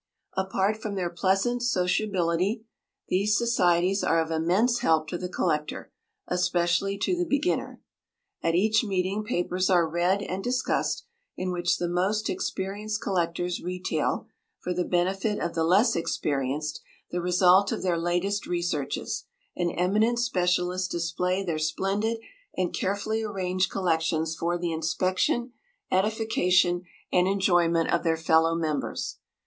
Apart from their pleasant sociability, these societies are of immense help to the collector, especially to the beginner. At each meeting papers are read and discussed, in which the most experienced collectors retail, for the benefit of the less experienced, the result of their latest researches, and eminent specialists display their splendid and carefully arranged collections for the inspection, edification, and enjoyment of their fellow members.